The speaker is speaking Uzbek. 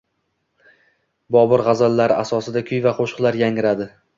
Bobur g‘azallari asosida kuy va qo‘shiqlar yangradi